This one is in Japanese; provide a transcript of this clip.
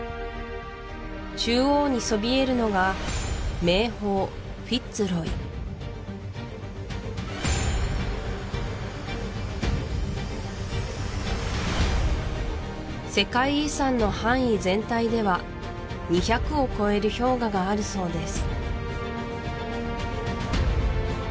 中央にそびえるのが名峰フィッツ・ロイ世界遺産の範囲全体では２００を超える氷河があるそうです